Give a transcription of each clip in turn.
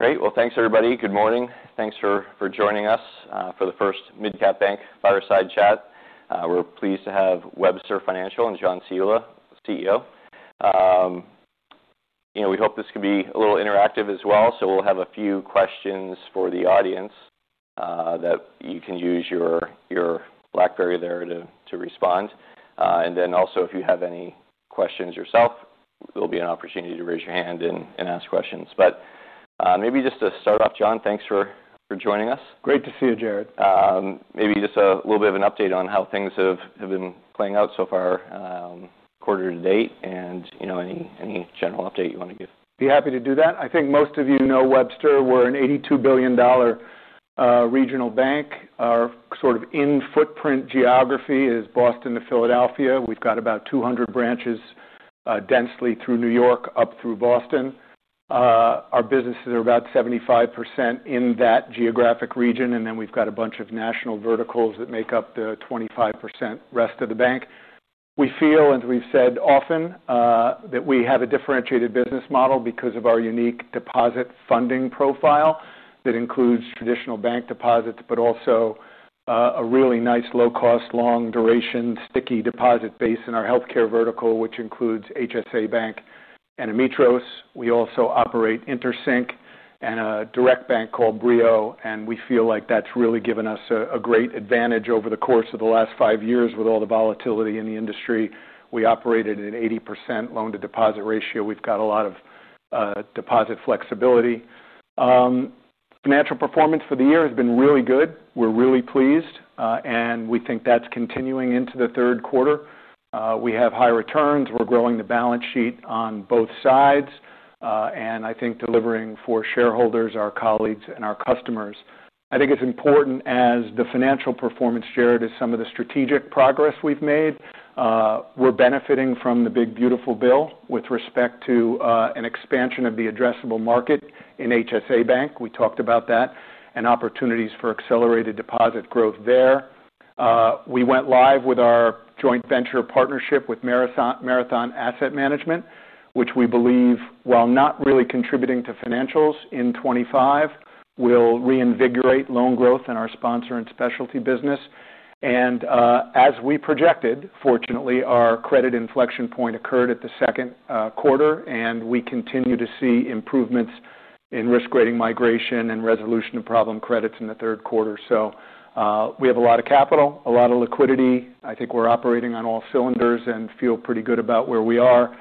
Great. Thank you, everybody. Good morning. Thank you for joining us for the first mid-cap bank fireside chat. We're pleased to have Webster Financial and John Ciulla, CEO. We hope this could be a little interactive as well. We'll have a few questions for the audience that you can use your BlackBerry there to respond. If you have any questions yourself, there will be an opportunity to raise your hand and ask questions. Maybe just to start off, John, thank you for joining us. Great to see you, Jared. Maybe just a little bit of an update on how things have been playing out so far quarter to date, and any general update you want to give. Be happy to do that. I think most of you know Webster. We're an $82 billion regional bank. Our sort of in-footprint geography is Boston to Philadelphia. We've got about 200 branches densely through New York, up through Boston. Our businesses are about 75% in that geographic region. We've got a bunch of national verticals that make up the 25% rest of the bank. We feel, as we've said often, that we have a differentiated business model because of our unique deposit funding profile that includes traditional bank deposits, but also a really nice low-cost, long-duration, sticky deposit base in our healthcare vertical, which includes HSA Bank and Ametros. We also operate interSYNC and a direct bank called BrioDirect, and we feel like that's really given us a great advantage over the course of the last five years with all the volatility in the industry. We operated at an 80% loan-to-deposit ratio. We've got a lot of deposit flexibility. Financial performance for the year has been really good. We're really pleased, and we think that's continuing into the third quarter. We have high returns. We're growing the balance sheet on both sides, and I think delivering for shareholders, our colleagues, and our customers. I think it's important as the financial performance shared as some of the strategic progress we've made. We're benefiting from the big beautiful bill with respect to an expansion of the addressable market in HSA Bank. We talked about that and opportunities for accelerated deposit growth there. We went live with our joint venture partnership with Marathon Asset Management, which we believe, while not really contributing to financials in 2025, will reinvigorate loan growth in our sponsor and specialty business. Fortunately, our credit inflection point occurred at the second quarter, and we continue to see improvements in risk rating migration and resolution of problem credits in the third quarter. We have a lot of capital, a lot of liquidity. I think we're operating on all cylinders and feel pretty good about where we are.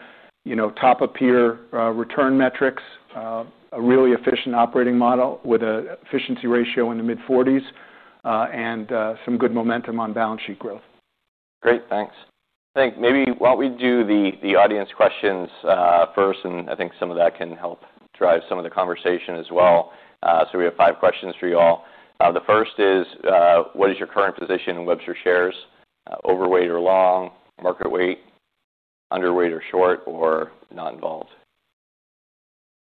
You know, top-of-tier return metrics, a really efficient operating model with an efficiency ratio in the mid-40s, and some good momentum on balance sheet growth. Great. Thanks. I think maybe why don't we do the audience questions first, and I think some of that can help drive some of the conversation as well. We have five questions for you all. The first is, what is your current position in Webster shares? Overweight or long, market weight, underweight or short, or not involved?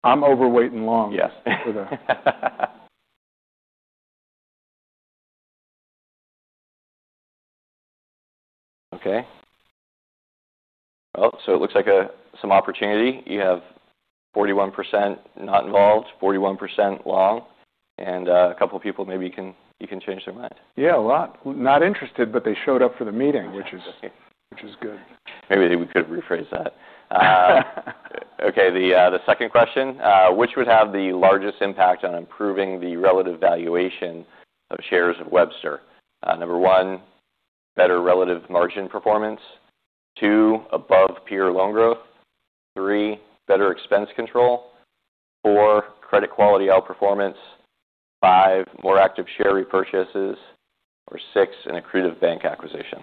I'm overweight and long. Yes. Okay. It looks like some opportunity. You have 41% not involved, 41% long, and a couple of people maybe can change their mind. Yeah, a lot. Not interested, but they showed up for the meeting, which is good. Maybe we could rephrase that. The second question, which would have the largest impact on improving the relative valuation of shares of Webster? Number one, better relative margin performance. Two, above peer loan growth. Three, better expense control. Four, credit quality outperformance. Five, more active share repurchases. Six, an accrued bank acquisition.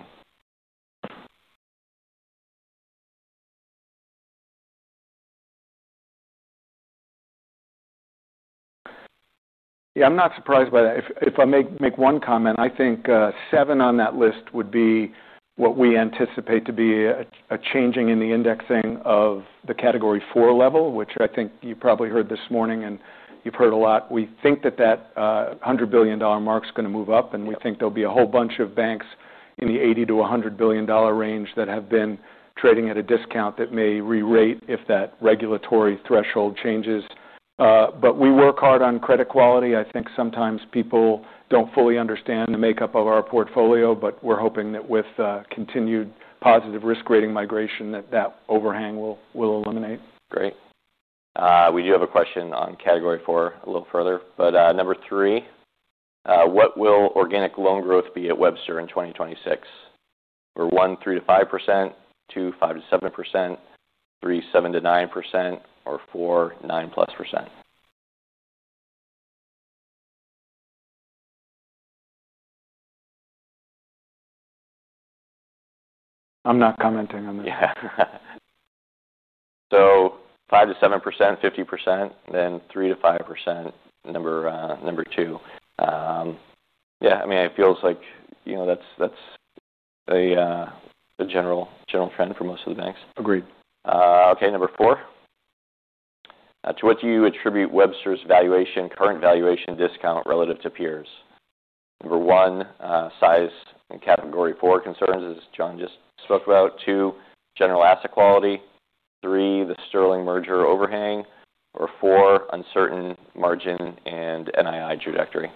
Yeah, I'm not surprised by that. If I may make one comment, I think seven on that list would be what we anticipate to be a change in the indexing of the category four bank threshold, which I think you probably heard this morning and you've heard a lot. We think that that $100 billion mark is going to move up, and we think there will be a whole bunch of banks in the $80-$100 billion range that have been trading at a discount that may re-rate if that regulatory threshold changes. We work hard on credit quality. I think sometimes people don't fully understand the makeup of our portfolio, but we're hoping that with continued positive risk rating migration, that that overhang will eliminate. Great. We do have a question on category four a little further. Number three, what will organic loan growth be at Webster in 2026? We're one, 3%-5%, two, 5%-7%, three, 7%-9%, or four, 9+%. I'm not commenting on that. 5%-7%, 50%, then 3%-5%, number two. Yeah, I mean, it feels like, you know, that's a general trend for most of the banks. Agreed. Okay. Number four. To what do you attribute Webster's current valuation discount relative to peers? Number one, size and category four concerns as John just spoke about. Two, general asset quality. Three, the Sterling merger overhang. Four, uncertain margin and NII trajectory.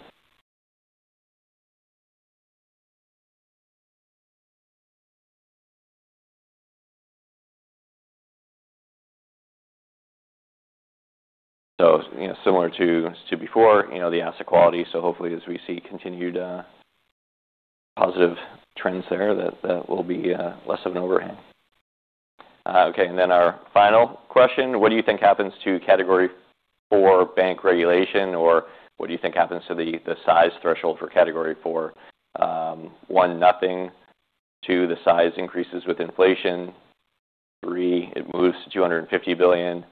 Similar to before, the asset quality. Hopefully, as we see continued positive trends there, that will be less of an overhang. Okay. Our final question, what do you think happens to category four bank regulation, or what do you think happens to the size threshold for category four? One, nothing. Two, the size increases with inflation. Three, it moves to $250 billion.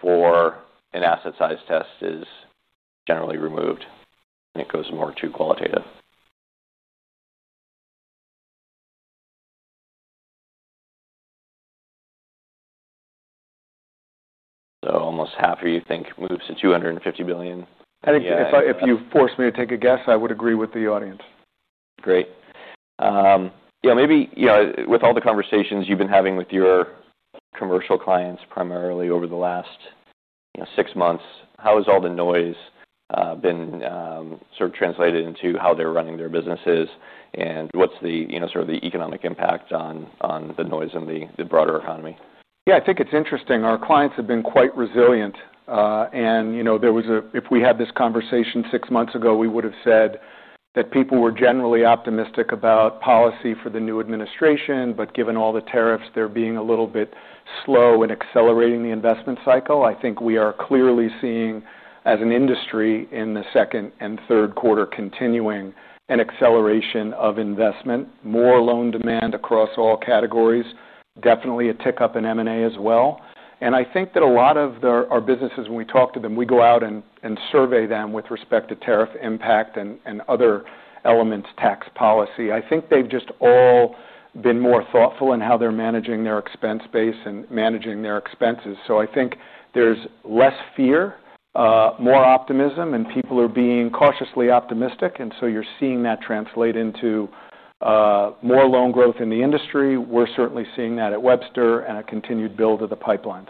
Four, an asset size test is generally removed and it goes more to qualitative. Almost half of you think it moves to $250 billion. I think if you force me to take a guess, I would agree with the audience. Great. Maybe, you know, with all the conversations you've been having with your commercial clients primarily over the last six months, how has all the noise been sort of translated into how they're running their businesses, and what's the sort of the economic impact on the noise in the broader economy? Yeah, I think it's interesting. Our clients have been quite resilient. If we had this conversation six months ago, we would have said that people were generally optimistic about policy for the new administration, but given all the tariffs, they're being a little bit slow in accelerating the investment cycle. I think we are clearly seeing, as an industry, in the second and third quarter, continuing an acceleration of investment, more loan demand across all categories, definitely a tick up in M&A as well. I think that a lot of our businesses, when we talk to them, we go out and survey them with respect to tariff impact and other elements, tax policy. I think they've just all been more thoughtful in how they're managing their expense base and managing their expenses. I think there's less fear, more optimism, and people are being cautiously optimistic. You're seeing that translate into more loan growth in the industry. We're certainly seeing that at Webster and a continued build of the pipelines.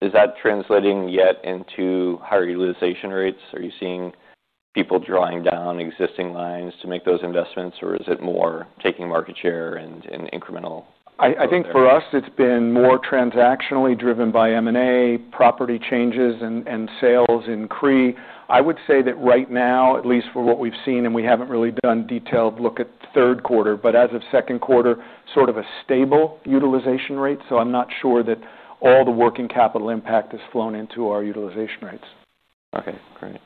Is that translating yet into higher utilization rates? Are you seeing people drawing down existing lines to make those investments, or is it more taking market share and incremental? I think for us, it's been more transactionally driven by M&A, property changes, and sales increase. I would say that right now, at least for what we've seen, and we haven't really done a detailed look at the third quarter, but as of second quarter, sort of a stable utilization rate. I'm not sure that all the working capital impact has flown into our utilization rates. Okay, great.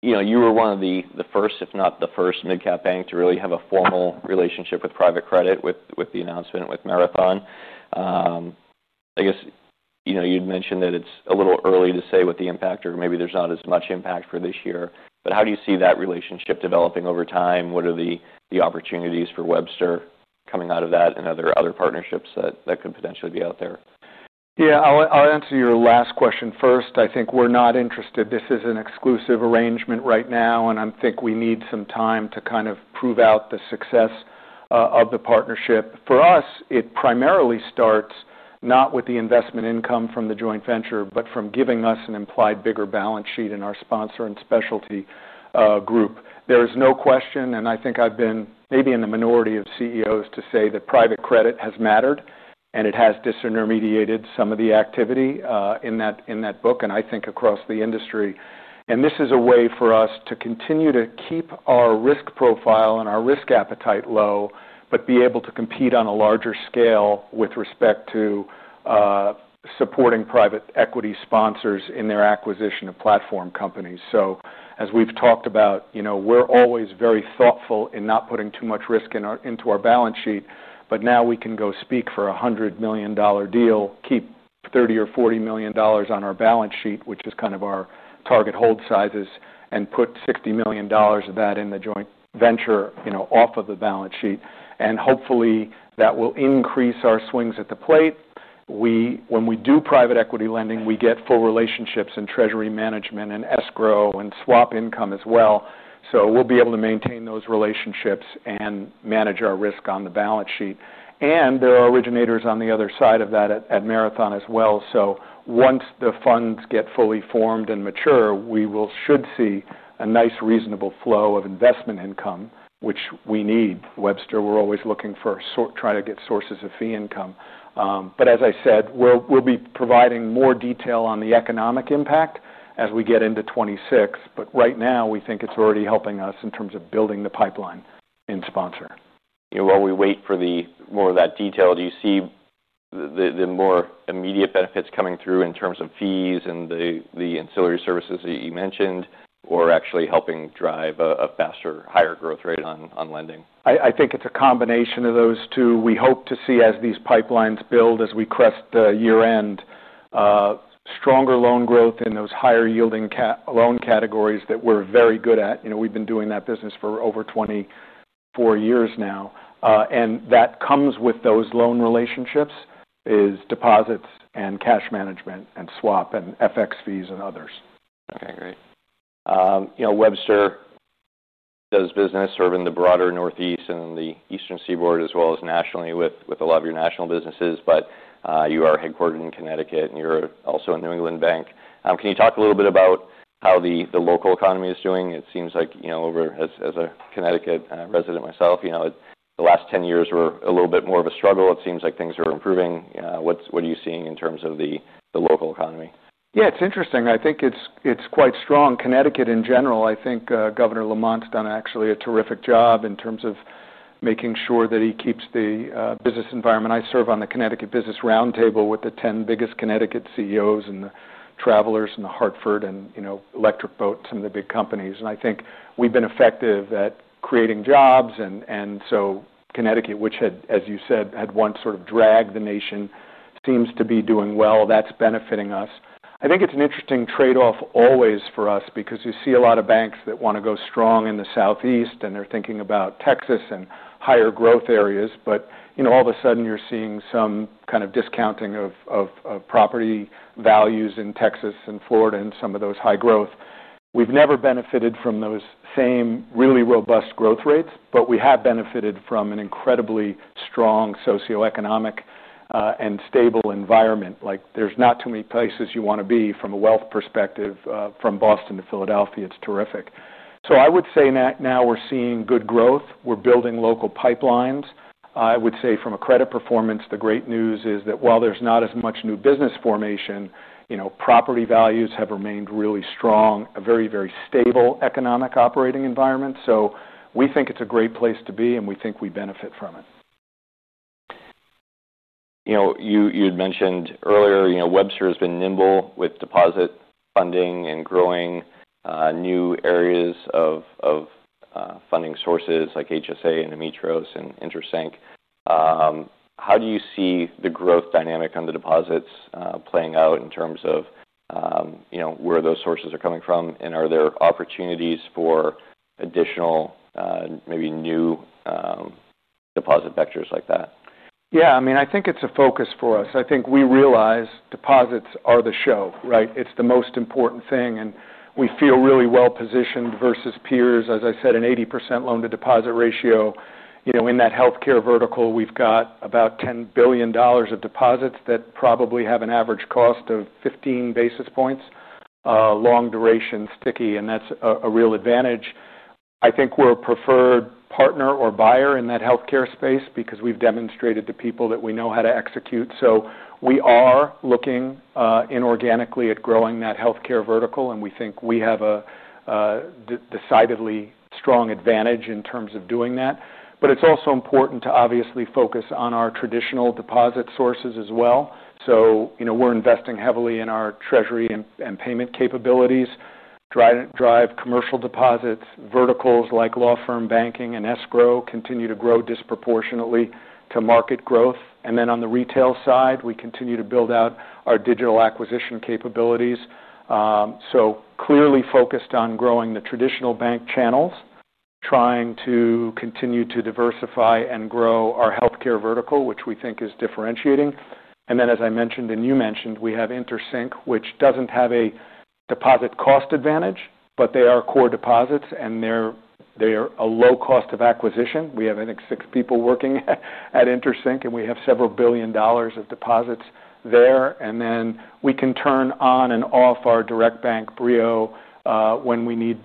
You know, you were one of the first, if not the first, mid-cap bank to really have a formal relationship with private credit with the announcement with Marathon Asset Management. I guess, you know, you'd mentioned that it's a little early to say what the impact or maybe there's not as much impact for this year, but how do you see that relationship developing over time? What are the opportunities for Webster coming out of that and other partnerships that could potentially be out there? Yeah, I'll answer your last question first. I think we're not interested. This is an exclusive arrangement right now, and I think we need some time to kind of prove out the success of the partnership. For us, it primarily starts not with the investment income from the joint venture, but from giving us an implied bigger balance sheet in our sponsor and specialty group. There is no question, and I think I've been maybe in the minority of CEOs to say that private credit has mattered, and it has disintermediated some of the activity in that book, and I think across the industry. This is a way for us to continue to keep our risk profile and our risk appetite low, but be able to compete on a larger scale with respect to supporting private equity sponsors in their acquisition of platform companies. As we've talked about, we're always very thoughtful in not putting too much risk into our balance sheet, but now we can go speak for a $100 million deal, keep $30 million or $40 million on our balance sheet, which is kind of our target hold sizes, and put $60 million of that in the joint venture, off of the balance sheet. Hopefully, that will increase our swings at the plate. When we do private equity lending, we get full relationships in treasury management and escrow and swap income as well. We'll be able to maintain those relationships and manage our risk on the balance sheet. There are originators on the other side of that at Marathon Asset Management as well. Once the funds get fully formed and mature, we should see a nice, reasonable flow of investment income, which we need. Webster, we're always looking for trying to get sources of fee income. As I said, we'll be providing more detail on the economic impact as we get into 2026. Right now, we think it's already helping us in terms of building the pipeline in sponsor. While we wait for more of that detail, do you see the more immediate benefits coming through in terms of fees and the ancillary services that you mentioned, or actually helping drive a faster, higher growth rate on lending? I think it's a combination of those two. We hope to see, as these pipelines build, as we crest the year-end, stronger loan growth in those higher-yielding loan categories that we're very good at. We've been doing that business for over 24 years now. That comes with those loan relationships, deposits and cash management and swap and FX fees and others. Okay, great. Webster does business serving the broader Northeast and the Eastern Seaboard as well as nationally with a lot of your national businesses, but you are headquartered in Connecticut and you're also a New England bank. Can you talk a little bit about how the local economy is doing? It seems like, as a Connecticut resident myself, the last 10 years were a little bit more of a struggle. It seems like things are improving. What are you seeing in terms of the local economy? Yeah, it's interesting. I think it's quite strong. Connecticut in general, I think Governor Lamont's done actually a terrific job in terms of making sure that he keeps the business environment. I serve on the Connecticut Business Roundtable with the 10 biggest Connecticut CEOs and the Travelers and the Hartford and, you know, Electric Boat, some of the big companies. I think we've been effective at creating jobs. Connecticut, which had, as you said, had once sort of dragged the nation, seems to be doing well. That's benefiting us. I think it's an interesting trade-off always for us because you see a lot of banks that want to go strong in the Southeast and they're thinking about Texas and higher growth areas. All of a sudden you're seeing some kind of discounting of property values in Texas and Florida and some of those high growth. We've never benefited from those same really robust growth rates, but we have benefited from an incredibly strong socioeconomic and stable environment. Like there's not too many places you want to be from a wealth perspective. From Boston to Philadelphia, it's terrific. I would say now we're seeing good growth. We're building local pipelines. I would say from a credit performance, the great news is that while there's not as much new business formation, property values have remained really strong, a very, very stable economic operating environment. We think it's a great place to be and we think we benefit from it. You had mentioned earlier, Webster has been nimble with deposit funding and growing new areas of funding sources like HSA and Ametros and interSYNC. How do you see the growth dynamic on the deposits playing out in terms of where those sources are coming from, and are there opportunities for additional, maybe new deposit vectors like that? Yeah, I mean, I think it's a focus for us. I think we realize deposits are the show, right? It's the most important thing, and we feel really well positioned versus peers. As I said, an 80% loan-to-deposit ratio, you know, in that healthcare vertical, we've got about $10 billion of deposits that probably have an average cost of 15 basis points, long duration, sticky, and that's a real advantage. I think we're a preferred partner or buyer in that healthcare space because we've demonstrated to people that we know how to execute. We are looking inorganically at growing that healthcare vertical, and we think we have a decidedly strong advantage in terms of doing that. It's also important to obviously focus on our traditional deposit sources as well. We're investing heavily in our treasury and payment capabilities, drive commercial deposits, verticals like law firm banking and escrow continue to grow disproportionately to market growth. On the retail side, we continue to build out our digital acquisition capabilities. Clearly focused on growing the traditional bank channels, trying to continue to diversify and grow our healthcare vertical, which we think is differentiating. As I mentioned and you mentioned, we have interSYNC, which doesn't have a deposit cost advantage, but they are core deposits and they're a low cost of acquisition. We have, I think, six people working at interSYNC, and we have several billion dollars of deposits there. We can turn on and off our direct bank, Brio, when we need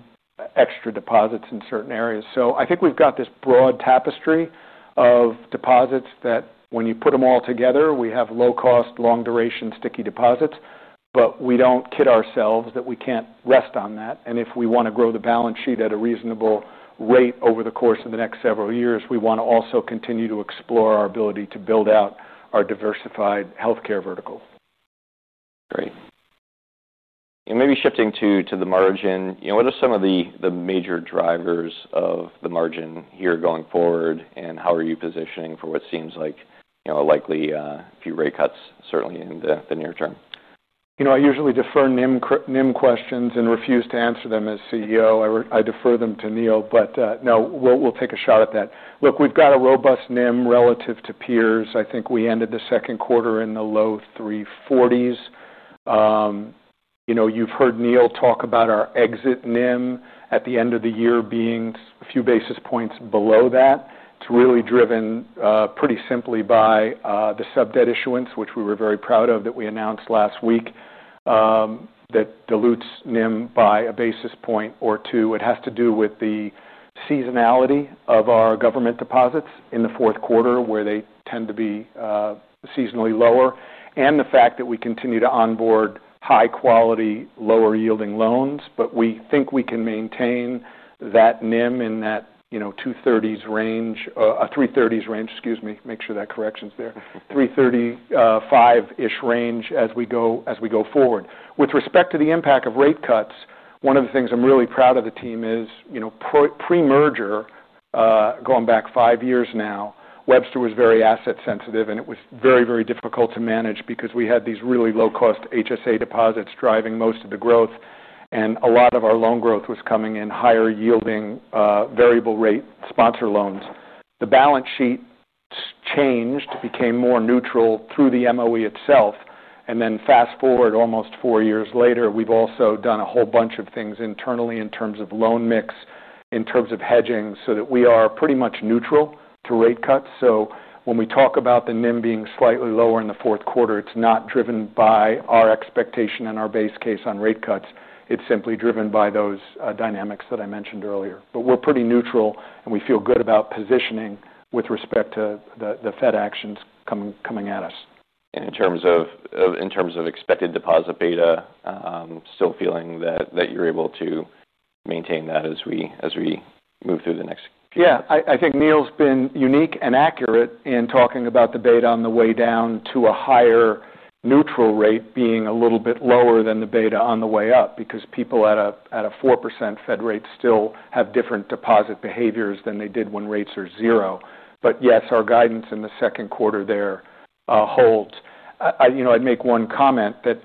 extra deposits in certain areas. I think we've got this broad tapestry of deposits that when you put them all together, we have low cost, long duration, sticky deposits, but we don't kid ourselves that we can't rest on that. If we want to grow the balance sheet at a reasonable rate over the course of the next several years, we want to also continue to explore our ability to build out our diversified healthcare vertical. Great. Maybe shifting to the margin, what are some of the major drivers of the margin here going forward, and how are you positioning for what seems like a likely few rate cuts certainly in the near term? You know, I usually defer NIM questions and refuse to answer them as CEO. I defer them to Neil, but no, we'll take a shot at that. Look, we've got a robust NIM relative to peers. I think we ended the second quarter in the low 3.40%s. You've heard Neil talk about our exit NIM at the end of the year being a few basis points below that. It's really driven pretty simply by the sub-debt issuance, which we were very proud of that we announced last week, that dilutes NIM by a basis point or two. It has to do with the seasonality of our government deposits in the fourth quarter, where they tend to be seasonally lower, and the fact that we continue to onboard high quality, lower yielding loans. We think we can maintain that NIM in that 3.30%s range, 3.35%ish range as we go forward. With respect to the impact of rate cuts, one of the things I'm really proud of the team is, pre-merger, going back five years now, Webster was very asset sensitive and it was very, very difficult to manage because we had these really low-cost HSA Bank deposits driving most of the growth and a lot of our loan growth was coming in higher yielding variable rate sponsor loans. The balance sheet changed, became more neutral through the MOE itself. Fast forward almost four years later, we've also done a whole bunch of things internally in terms of loan mix, in terms of hedging so that we are pretty much neutral to rate cuts. When we talk about the NIM being slightly lower in the fourth quarter, it's not driven by our expectation and our base case on rate cuts. It's simply driven by those dynamics that I mentioned earlier. We're pretty neutral and we feel good about positioning with respect to the Fed actions coming at us. In terms of expected deposit beta, still feeling that you're able to maintain that as we move through the next year. Yeah, I think Neil's been unique and accurate in talking about the beta on the way down to a higher neutral rate being a little bit lower than the beta on the way up because people at a 4% Fed rate still have different deposit behaviors than they did when rates are zero. Yes, our guidance in the second quarter there holds. I'd make one comment that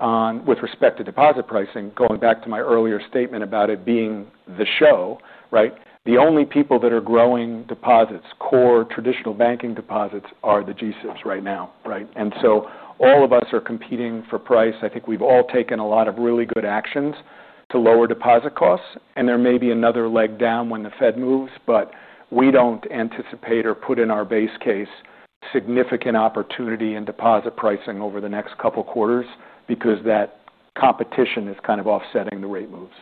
with respect to deposit pricing, going back to my earlier statement about it being the show, right? The only people that are growing deposits, core traditional banking deposits, are the G-SIBs right now, right? All of us are competing for price. I think we've all taken a lot of really good actions to lower deposit costs, and there may be another leg down when the Fed moves. We don't anticipate or put in our base case significant opportunity in deposit pricing over the next couple of quarters because that competition is kind of offsetting the rate moves.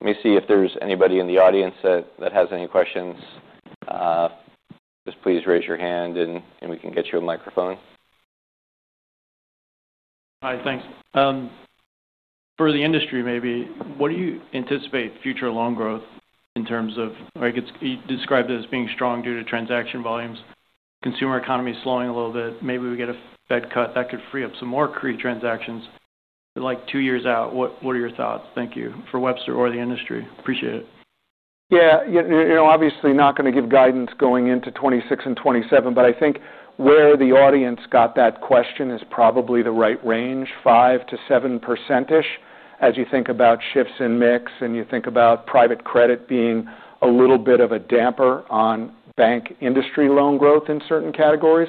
Let me see if there's anybody in the audience that has any questions. Just please raise your hand and we can get you a microphone. Hi, thanks. For the industry, maybe, what do you anticipate future loan growth in terms of, like you described it as being strong due to transaction volumes, consumer economy slowing a little bit, maybe we get a Fed cut that could free up some more CRE transactions, but like two years out, what are your thoughts? Thank you for Webster or the industry. Appreciate it. Yeah, obviously not going to give guidance going into 2026 and 2027, but I think where the audience got that question is probably the right range, 5%-7%-ish, as you think about shifts in mix and you think about private credit being a little bit of a damper on bank industry loan growth in certain categories.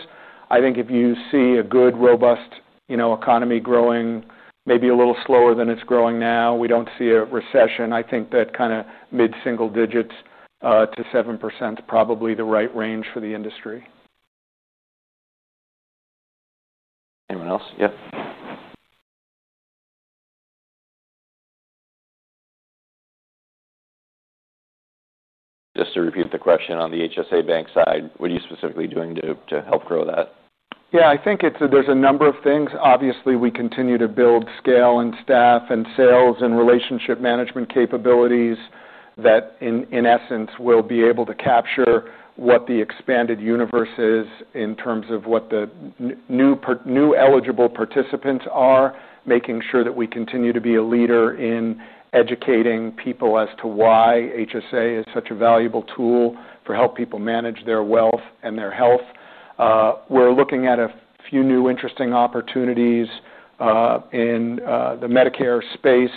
I think if you see a good, robust economy growing, maybe a little slower than it's growing now, we don't see a recession. I think that kind of mid-single digits to 7% is probably the right range for the industry. Anyone else? Just to repeat the question, on the HSA Bank side, what are you specifically doing to help grow that? Yeah, I think there's a number of things. Obviously, we continue to build scale and staff and sales and relationship management capabilities that, in essence, will be able to capture what the expanded universe is in terms of what the new eligible participants are, making sure that we continue to be a leader in educating people as to why HSA is such a valuable tool for helping people manage their wealth and their health. We're looking at a few new interesting opportunities in the Medicare space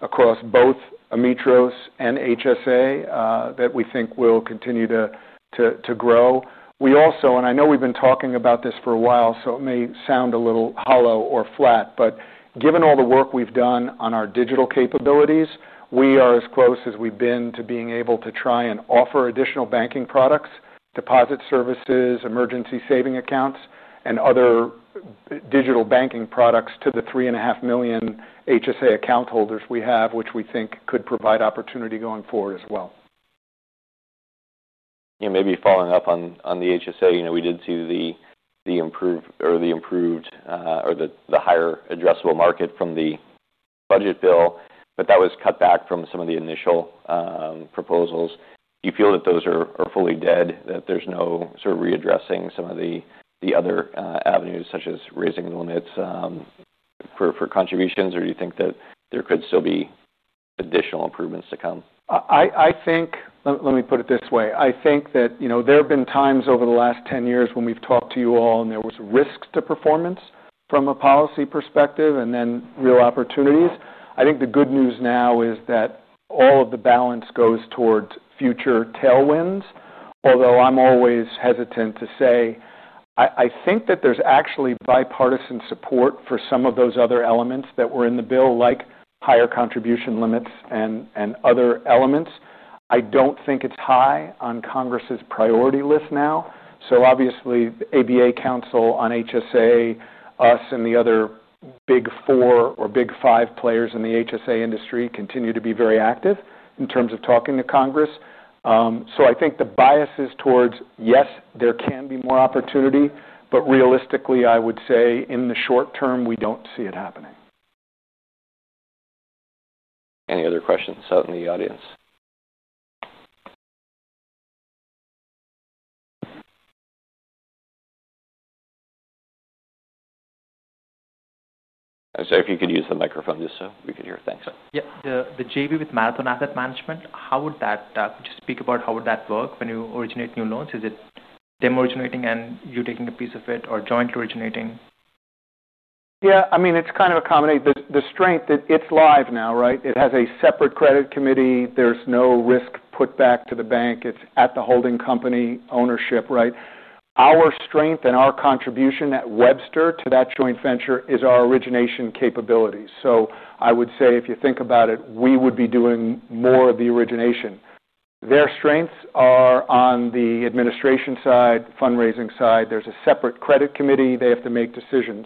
across both Ametros and HSA that we think will continue to grow. We also, and I know we've been talking about this for a while, so it may sound a little hollow or flat, but given all the work we've done on our digital capabilities, we are as close as we've been to being able to try and offer additional banking products, deposit services, emergency saving accounts, and other digital banking products to the 3.5 million HSA account holders we have, which we think could provide opportunity going forward as well. Maybe following up on the HSA, you know, we did see the improved or the higher addressable market from the big beautiful bill, but that was cut back from some of the initial proposals. Do you feel that those are fully dead, that there's no sort of readdressing some of the other avenues such as raising the limits for contributions, or do you think that there could still be additional improvements to come? I think, let me put it this way, I think that, you know, there have been times over the last 10 years when we've talked to you all and there was a risk to performance from a policy perspective and then real opportunities. I think the good news now is that all of the balance goes towards future tailwinds, although I'm always hesitant to say. I think that there's actually bipartisan support for some of those other elements that were in the big beautiful bill, like higher contribution limits and other elements. I don't think it's high on Congress's priority list now. The ABA Council on HSA, us and the other big four or big five players in the HSA industry continue to be very active in terms of talking to Congress. I think the bias is towards, yes, there can be more opportunity, but realistically, I would say in the short term, we don't see it happening. Any other questions out in the audience? I'm sorry, if you could use the microphone just so we could hear it. Thanks. Yeah, the JV with Marathon Asset Management, how would that, could you speak about how would that work when you originate new loans? Is it them originating and you taking a piece of it or joint originating? Yeah, I mean, it's kind of a combination. The strength that it's live now, right? It has a separate credit committee. There's no risk put back to the bank. It's at the holding company ownership, right? Our strength and our contribution at Webster to that joint venture is our origination capabilities. I would say if you think about it, we would be doing more of the origination. Their strengths are on the administration side, fundraising side. There's a separate credit committee. They have to make decisions.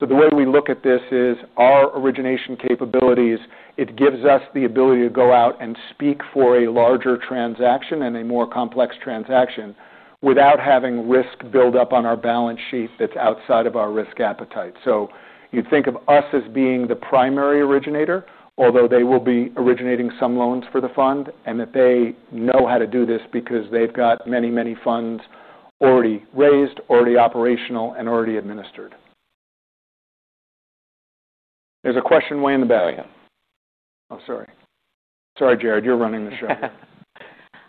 The way we look at this is our origination capabilities. It gives us the ability to go out and speak for a larger transaction and a more complex transaction without having risk build up on our balance sheet that's outside of our risk appetite. You think of us as being the primary originator, although they will be originating some loans for the fund and that they know how to do this because they've got many, many funds already raised, already operational, and already administered. There's a question way in the back. Oh, sorry. Sorry, Jared, you're running the show.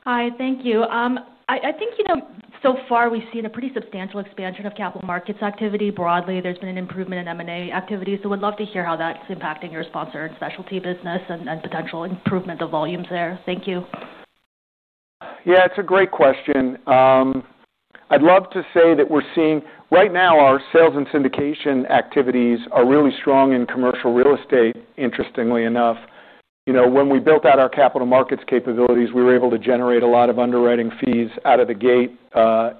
Hi, thank you. I think, you know, so far we've seen a pretty substantial expansion of capital markets activity. Broadly, there's been an improvement in M&A activities. I would love to hear how that's impacting your sponsor and specialty business and potential improvement of volumes there. Thank you. Yeah, it's a great question. I'd love to say that we're seeing right now our sales and syndication activities are really strong in commercial real estate, interestingly enough. When we built out our capital markets capabilities, we were able to generate a lot of underwriting fees out of the gate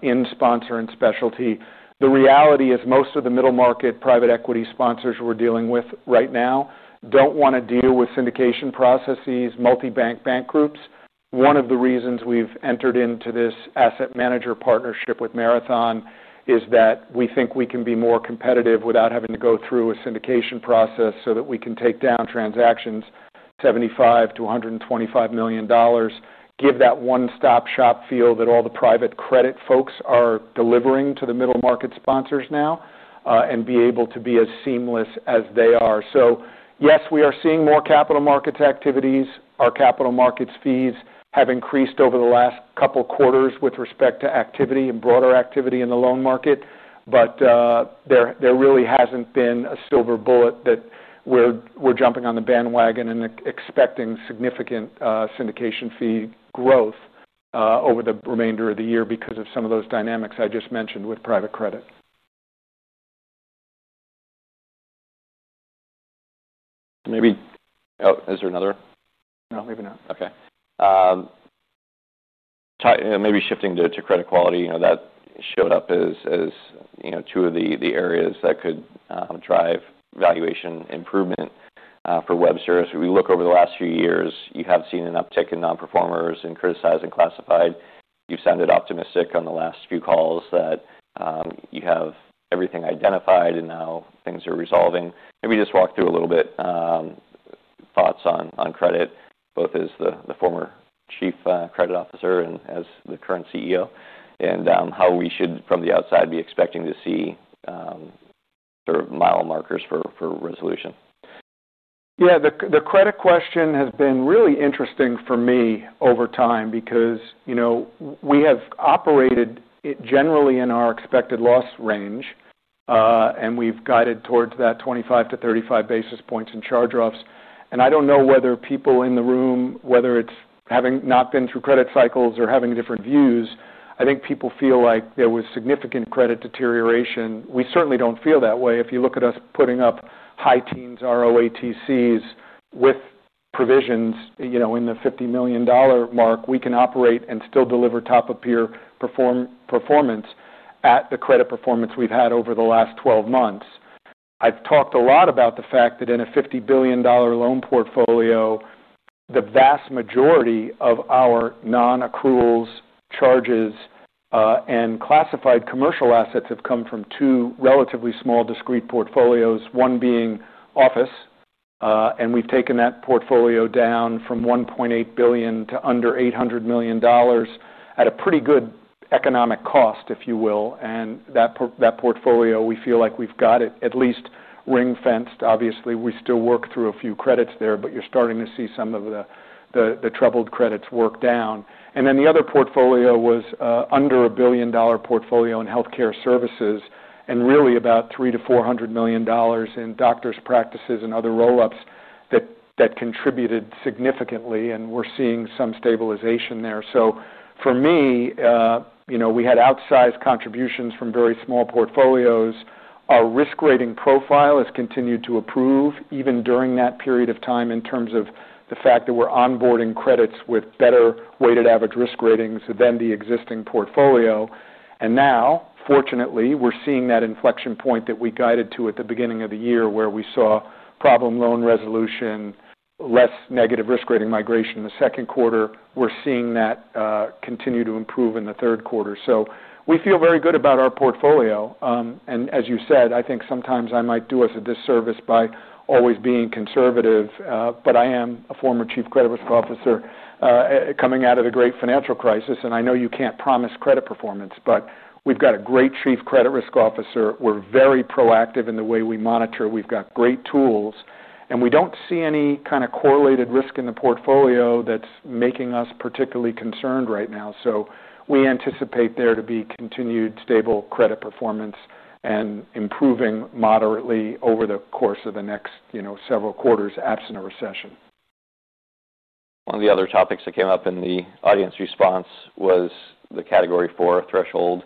in sponsor and specialty. The reality is most of the middle market private equity sponsors we're dealing with right now don't want to deal with syndication processes, multi-bank bank groups. One of the reasons we've entered into this asset manager partnership with Marathon Asset Management is that we think we can be more competitive without having to go through a syndication process so that we can take down transactions, $75-$125 million, give that one-stop shop feel that all the private credit folks are delivering to the middle market sponsors now and be able to be as seamless as they are. Yes, we are seeing more capital markets activities. Our capital markets fees have increased over the last couple of quarters with respect to activity and broader activity in the loan market. There really hasn't been a silver bullet that we're jumping on the bandwagon and expecting significant syndication fee growth over the remainder of the year because of some of those dynamics I just mentioned with private credits. Maybe, is there another? No, maybe not. Okay. Maybe shifting to credit quality, that showed up as two of the areas that could drive valuation improvement for Webster. As we look over the last few years, you have seen an uptick in non-performers and criticized and classified. You sounded optimistic on the last few calls that you have everything identified and now things are resolving. Maybe just walk through a little bit thoughts on credit, both as the former Chief Credit Officer and as the current CEO, and how we should, from the outside, be expecting to see sort of mile markers for resolution. Yeah, the credit question has been really interesting for me over time because, you know, we have operated generally in our expected loss range, and we've guided towards that 25 to 35 basis points in charge offs. I don't know whether people in the room, whether it's having not been through credit cycles or having different views, I think people feel like there was significant credit deterioration. We certainly don't feel that way. If you look at us putting up high teens ROATCs with provisions, you know, in the $50 million mark, we can operate and still deliver top-of-tier performance at the credit performance we've had over the last 12 months. I've talked a lot about the fact that in a $50 billion loan portfolio, the vast majority of our non-accruals, charges, and classified commercial assets have come from two relatively small discrete portfolios, one being office, and we've taken that portfolio down from $1.8 billion to under $800 million at a pretty good economic cost, if you will. That portfolio, we feel like we've got it at least ring-fenced. Obviously, we still work through a few credits there, but you're starting to see some of the troubled credits work down. The other portfolio was under a $1 billion portfolio in healthcare services and really about $300-$400 million in doctor's practices and other roll-ups that contributed significantly, and we're seeing some stabilization there. For me, you know, we had outsized contributions from very small portfolios. Our risk rating profile has continued to improve even during that period of time in terms of the fact that we're onboarding credits with better weighted average risk ratings than the existing portfolio. Now, fortunately, we're seeing that inflection point that we guided to at the beginning of the year where we saw problem loan resolution, less negative risk rating migration in the second quarter. We're seeing that continue to improve in the third quarter. We feel very good about our portfolio. As you said, I think sometimes I might do us a disservice by always being conservative, but I am a former Chief Credit Risk Officer coming out of the great financial crisis. I know you can't promise credit performance, but we've got a great Chief Credit Risk Officer. We're very proactive in the way we monitor. We've got great tools, and we don't see any kind of correlated risk in the portfolio that's making us particularly concerned right now. We anticipate there to be continued stable credit performance and improving moderately over the course of the next, you know, several quarters absent a recession. One of the other topics that came up in the audience response was the category four bank threshold.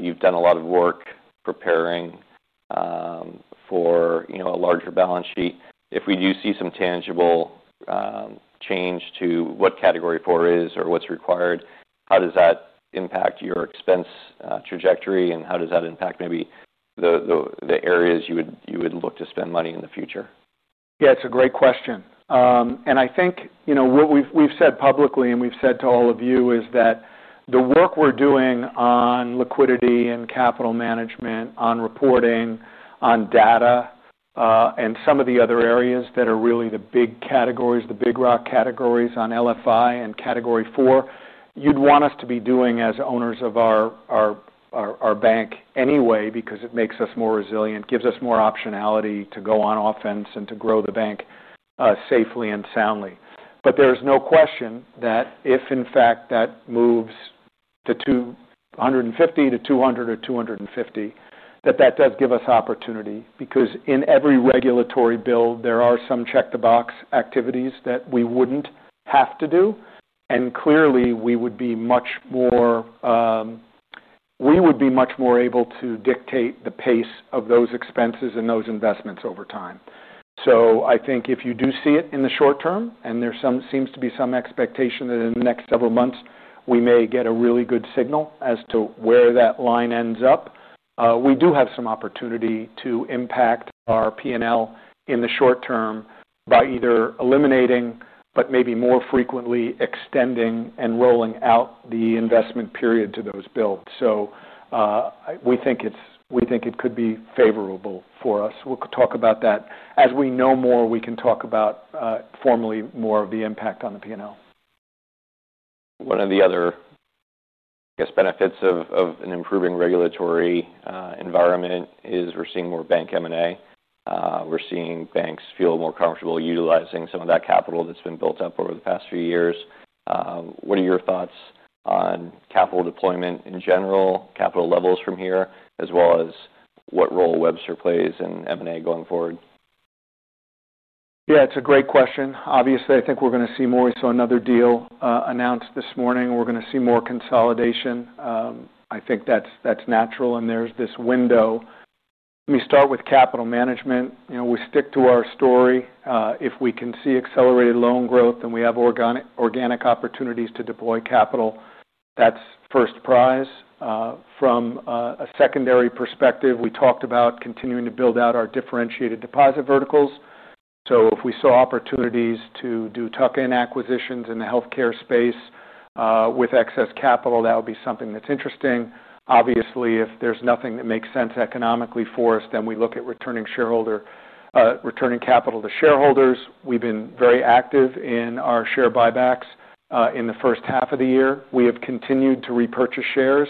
You've done a lot of work preparing for, you know, a larger balance sheet. If we do see some tangible change to what category four is or what's required, how does that impact your expense trajectory, and how does that impact maybe the areas you would look to spend money in the future? Yeah, it's a great question. I think, you know, what we've said publicly and we've said to all of you is that the work we're doing on liquidity and capital management, on reporting, on data, and some of the other areas that are really the big categories, the big rock categories on LFI and category four, you'd want us to be doing as owners of our bank anyway because it makes us more resilient, gives us more optionality to go on offense and to grow the bank safely and soundly. There is no question that if, in fact, that moves to $200-$250 billion, that does give us opportunity because in every regulatory bill, there are some check-the-box activities that we wouldn't have to do. Clearly, we would be much more able to dictate the pace of those expenses and those investments over time. I think if you do see it in the short term, and there seems to be some expectation that in the next several months, we may get a really good signal as to where that line ends up. We do have some opportunity to impact our P&L in the short term by either eliminating, but maybe more frequently extending and rolling out the investment period to those bills. We think it could be favorable for us. We'll talk about that. As we know more, we can talk about formally more of the impact on the P&L. One of the other, I guess, benefits of an improving regulatory environment is we're seeing more bank M&A. We're seeing banks feel more comfortable utilizing some of that capital that's been built up over the past few years. What are your thoughts on capital deployment in general, capital levels from here, as well as what role Webster plays in M&A going forward? Yeah, it's a great question. Obviously, I think we're going to see more. We saw another deal announced this morning. We're going to see more consolidation. I think that's natural, and there's this window. Let me start with capital management. You know, we stick to our story. If we can see accelerated loan growth and we have organic opportunities to deploy capital, that's first prize. From a secondary perspective, we talked about continuing to build out our differentiated deposit verticals. If we saw opportunities to do tuck-in acquisitions in the healthcare space with excess capital, that would be something that's interesting. Obviously, if there's nothing that makes sense economically for us, then we look at returning capital to shareholders. We've been very active in our share buybacks in the first half of the year. We have continued to repurchase shares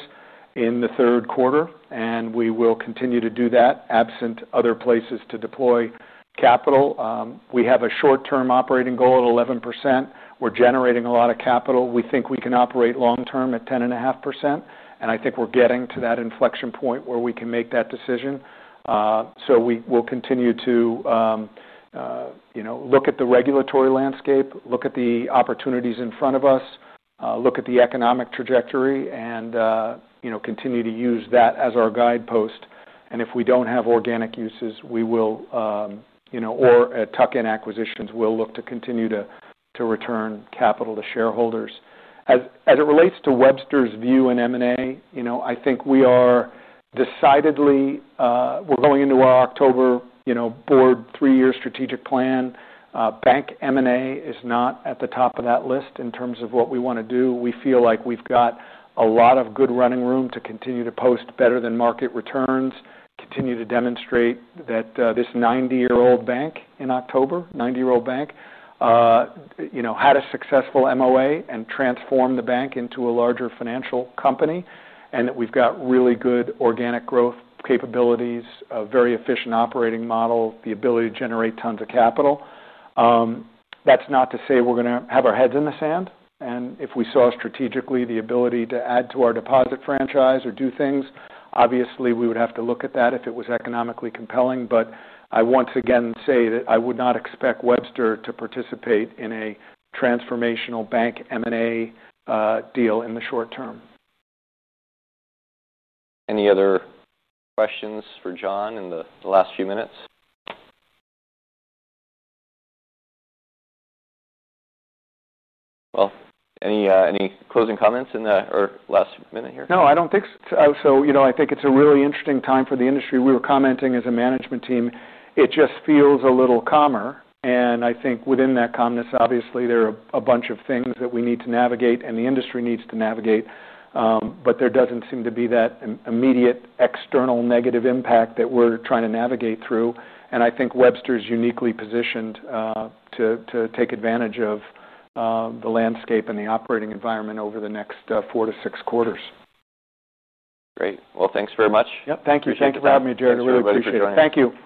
in the third quarter, and we will continue to do that absent other places to deploy capital. We have a short-term operating goal at 11%. We're generating a lot of capital. We think we can operate long-term at 10.5%, and I think we're getting to that inflection point where we can make that decision. We will continue to, you know, look at the regulatory landscape, look at the opportunities in front of us, look at the economic trajectory, and, you know, continue to use that as our guidepost. If we don't have organic uses, or tuck-in acquisitions, we'll look to continue to return capital to shareholders. As it relates to Webster's view in M&A, you know, I think we are decidedly, we're going into our October, you know, board, three-year strategic plan. Bank M&A is not at the top of that list in terms of what we want to do. We feel like we've got a lot of good running room to continue to post better than market returns, continue to demonstrate that this 90-year-old bank in October, 90-year-old bank, you know, had a successful MOA and transformed the bank into a larger financial company and that we've got really good organic growth capabilities, a very efficient operating model, the ability to generate tons of capital. That's not to say we're going to have our heads in the sand. If we saw strategically the ability to add to our deposit franchise or do things, obviously we would have to look at that if it was economically compelling. I once again say that I would not expect Webster to participate in a transformational bank M&A deal in the short term. Any other questions for John in the last few minutes? Any closing comments in the last minute here? No, I don't think so. I think it's a really interesting time for the industry. We were commenting as a management team, it just feels a little calmer. I think within that calmness, obviously there are a bunch of things that we need to navigate and the industry needs to navigate. There doesn't seem to be that immediate external negative impact that we're trying to navigate through. I think Webster's uniquely positioned to take advantage of the landscape and the operating environment over the next four to six quarters. Great. Thanks very much. Thank you. Thanks for having me, Jared. I really appreciate it. Thank you.